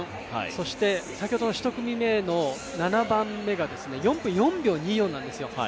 そして先ほどの１組目の７番目が４分４秒２４なんですよ。